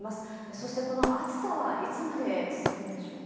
そして、この暑さはいつまで続くんでしょうか？